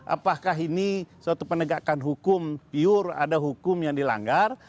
apakah ini suatu penegakan hukum pure ada hukum yang dilanggar